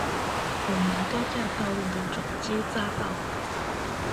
五楊高架道路的轉接匝道